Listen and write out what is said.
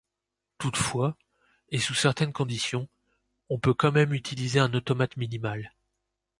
Toutefois, et sous certaines conditions, on peut quand même utiliser un automate minimal.